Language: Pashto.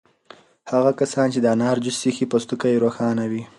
هغه کسان چې د انار جوس څښي پوستکی یې روښانه وي.